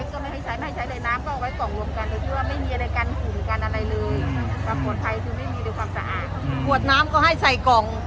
อืมแต่ขวดไพรคือไม่มีในความสะอาดอืมขวดน้ำก็ให้ใส่กล่อง